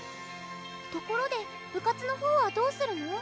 ところで部活のほうはどうするの？